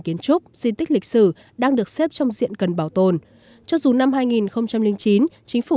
di sản cấu trúc di tích lịch sử đang được xếp trong diện cần bảo tồn cho dù năm hai nghìn chín chính phủ